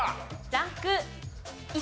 ランク１。